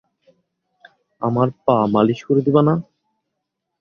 আমার পা মালিশ করে দিবে না?